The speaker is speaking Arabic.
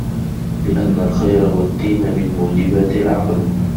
لِأَنَّ الْخَيْرَ وَالدِّينَ مِنْ مُوجِبَاتِ الْعَقْلِ